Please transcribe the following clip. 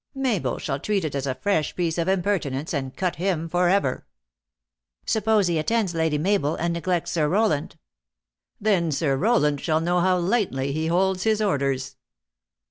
Mabel shall treat it as a fresh piece of impertinence, and cut him forever." " Suppose he attends Lady Mabel, and neglects Sir Rowland ?"" Then Sir Rowland shall know how lightly he holds his orders."